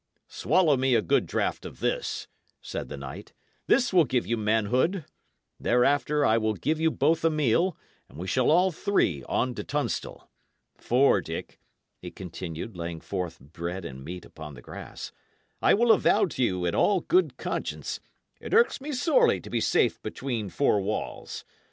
"Swallow me a good draught of this," said the knight. "This will give you manhood. Thereafter, I will give you both a meal, and we shall all three on to Tunstall. For, Dick," he continued, laying forth bread and meat upon the grass, "I will avow to you, in all good conscience, it irks me sorely to be safe between four walls.